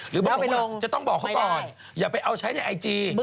หรือบอกผมว่าจะต้องบอกเขาก่อนอย่าไปเอาใช้ในไอจี